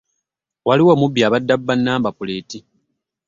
Waliwo omubbi abadde abba namba puleeti.